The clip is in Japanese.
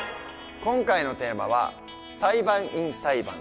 今回のテーマは「裁判員裁判」。